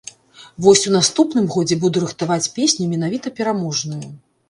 Вось у наступным годзе буду рыхтаваць песню менавіта пераможную.